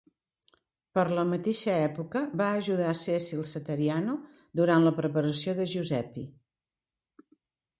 Per la mateixa època va ajudar Cecil Satariano durant la preparació de Giuseppi.